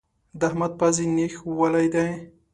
د احمد پزې نېښ ولی دی.